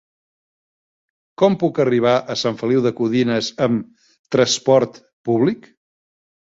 Com puc arribar a Sant Feliu de Codines amb trasport públic?